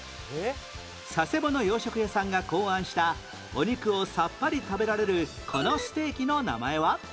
佐世保の洋食屋さんが考案したお肉をさっぱり食べられるこのステーキの名前は？